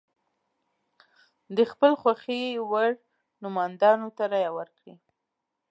د خپل خوښې وړ نوماندانو ته رایه ورکړي.